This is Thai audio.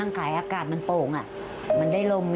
ไปนั่งขายอากาศมันโป่งมันได้ลม